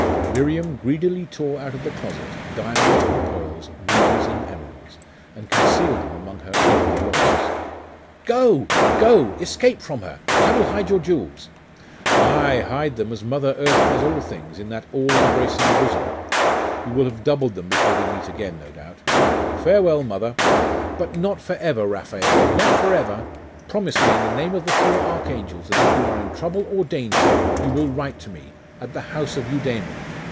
Miriam greedily tore out of the closet diamonds and pearls, rubies and emeralds, and concealed them among her ample robes 'Go! go! Escape from her! I will hide your jewels!' 'Ay, hide them, as mother earth does all things, in that all embracing bosom. You will have doubled them before we meet again, no doubt. Farewell, mother!' 'But not for ever, Raphael! not for ever! Promise me, in the name of the four archangels, that if you are in trouble or danger, you will write to me, at the house of Eudaimon.